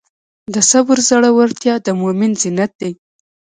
د صبر زړورتیا د مؤمن زینت دی.